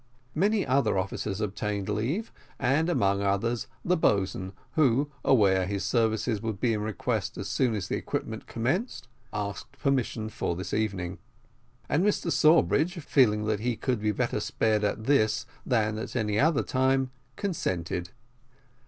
Many other officers obtained leave, and, among others, the boatswain, who, aware that his services would be in request as soon as the equipment commenced, asked permission for this evening. And Mr Sawbridge, feeling that he could be better spared at this than at any other time, consented.